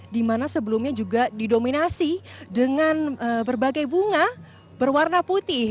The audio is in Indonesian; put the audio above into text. dimana sebelumnya juga didominasi dengan berbagai bunga berwarna putih